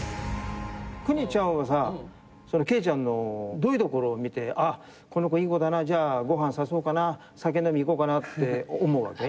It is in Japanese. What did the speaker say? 邦ちゃんはさ惠ちゃんのどういうところを見てこの子いい子だなじゃあご飯誘おうかな酒飲みにいこうかなって思うわけ？